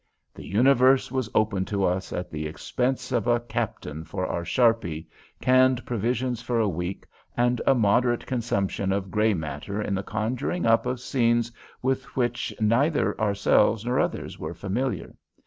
The universe was open to us at the expense of a captain for our sharpie, canned provisions for a week, and a moderate consumption of gray matter in the conjuring up of scenes with which neither ourselves nor others were familiar.